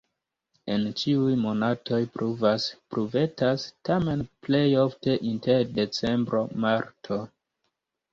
En ĉiuj monatoj pluvas-pluvetas, tamen plej ofte inter decembro-marto.